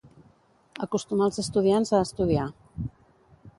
Acostumar els estudiants a estudiar.